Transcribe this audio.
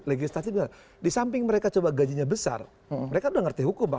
legislatif juga di samping mereka coba gajinya besar mereka sudah mengerti hukum